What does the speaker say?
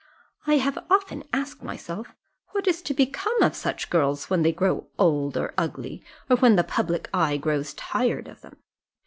I have often asked myself, what is to become of such girls when they grow old or ugly, or when the public eye grows tired of them?